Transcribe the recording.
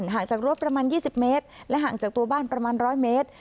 ห่างจากรถประมาณยี่สิบเมตรและห่างจากตัวบ้านประมาณร้อยเมตร